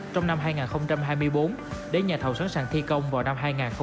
trong năm hai nghìn hai mươi bốn để nhà thầu sẵn sàng thi công vào năm hai nghìn hai mươi